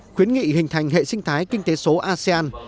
khuyến nghị hình thành hệ sinh thái kinh tế số asean